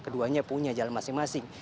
keduanya punya jalan masing masing